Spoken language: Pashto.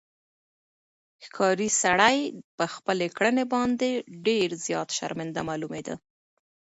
ښکاري سړی په خپلې کړنې باندې ډېر زیات شرمنده معلومېده.